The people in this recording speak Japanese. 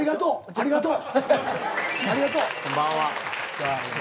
ありがとう。